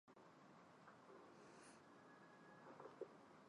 编程语言大致可以分为五个世代。